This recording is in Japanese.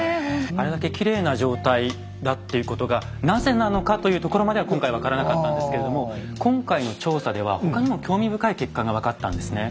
あれだけきれいな状態だっていうことがなぜなのかというところまでは今回分からなかったんですけれども今回の調査では他にも興味深い結果が分かったんですね。